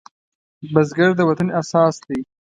بزګر د وطن اساس دی